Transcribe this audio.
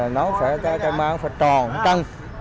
nó phải tròn không trăng